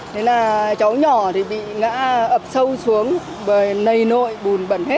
thế là cháu nhỏ thì bị ngã ập sâu xuống bởi nầy nội bùn bẩn hết